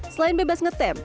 selain bebas ngetem